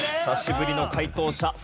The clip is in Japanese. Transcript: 久しぶりの解答者